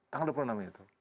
tanggal dua puluh enam itu